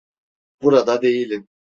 Burada değilim.